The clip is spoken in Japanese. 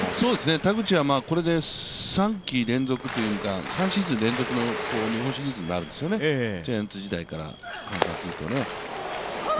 田口はこれで３シーズン連続の日本シリーズになるんですよね、ジャイアンツ時代から換算すると。